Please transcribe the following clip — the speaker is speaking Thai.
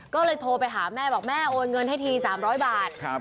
ก็เลยโทรไปหาแม่บอกแม่โอนเงินให้ที๓๐๐บาท